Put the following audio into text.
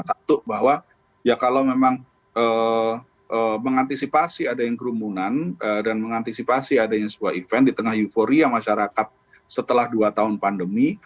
satu bahwa ya kalau memang mengantisipasi ada yang kerumunan dan mengantisipasi adanya sebuah event di tengah euforia masyarakat setelah dua tahun pandemi